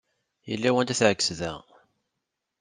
Yella wanda teɛkes da!